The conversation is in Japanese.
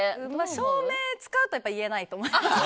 照明使うと言えないと思います。